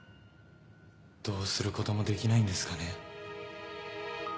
どうすることもできないんですかね。